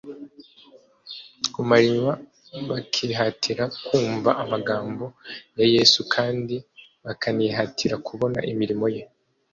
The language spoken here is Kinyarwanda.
ku mariywa bakihatira kumva amagambo ya Yesu kandi bakanihatira kubona imirimo ye.